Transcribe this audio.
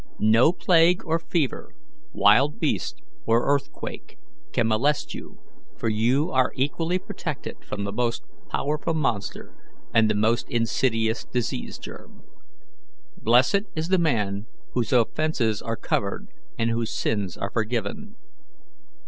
No plague or fever, wild beast or earthquake, can molest you, for you are equally protected from the most powerful monster and the most insidious disease germ. 'Blessed is the man whose offences are covered and whose sins are forgiven.'